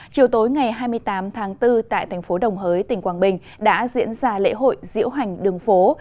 chiều tối ngày hai mươi tám tháng bốn tại thành phố đồng hới tỉnh quảng bình đã diễn ra lễ hội diễu hành đường phố